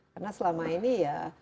karena selama ini ya